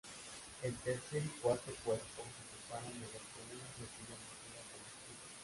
El tercer y cuarto cuerpo se separan mediante una sencilla moldura con escudos.